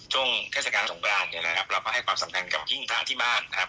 ช่วงเทศกาลสงกรานเนี่ยนะครับเราก็ให้ความสำคัญกับหิ้งพระที่บ้านนะครับ